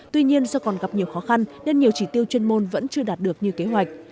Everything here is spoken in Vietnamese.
tuy nhiên do còn gặp nhiều khó khăn nên nhiều chỉ tiêu chuyên môn vẫn chưa đạt được như kế hoạch